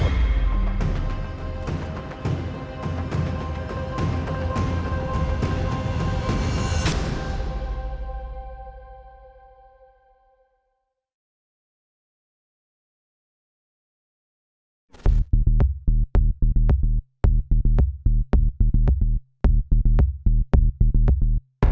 โปรดติดตามตอนต่อไป